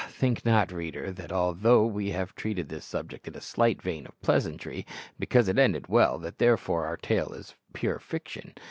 think not, reader, that although we have treated this subject in a slight vein of pleasantry, because it ended well, that therefore our tale is pure fiction.